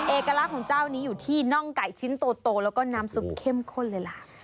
เอกลักษณ์ของเจ้านี้อยู่ที่น่องไก่ชิ้นโตแล้วก็น้ำซุปเข้มข้นเลยล่ะ